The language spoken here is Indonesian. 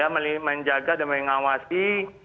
menjaga dan mengawasi